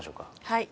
はい。